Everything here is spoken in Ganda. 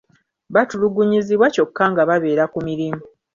Batulugunyizibwa kyokka nga babeera ku mirimu.